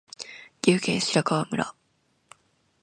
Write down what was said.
岐阜県白川村